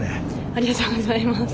ありがとうございます。